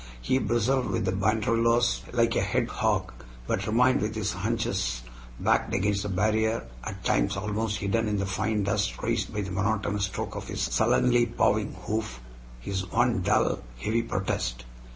He bristled with banderillas like a hedgehog, but remained with his haunches backed against the barrier, at times almost hidden in the fine dust raised by the monotonous stroke of his sullenly pawing hoof his one dull, heavy protest.